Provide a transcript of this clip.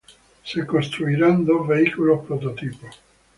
Se construirán dos vehículos prototipo.